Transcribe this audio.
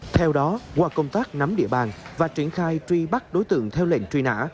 theo đó qua công tác nắm địa bàn và triển khai truy bắt đối tượng theo lệnh truy nã